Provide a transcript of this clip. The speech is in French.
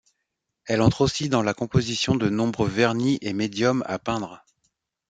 Elle entre aussi dans la composition de nombreux vernis et médiums à peindre.